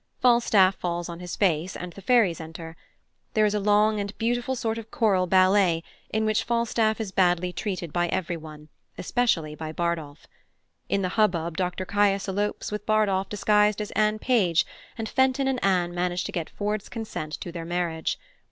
Falstaff falls on his face, and the fairies enter. There is a long and beautiful sort of choral ballet, in which Falstaff is badly treated by everyone, especially by Bardolph. In the hubbub Dr Caius elopes with Bardolph disguised as Anne Page, and Fenton and Anne manage to get Ford's consent to their marriage.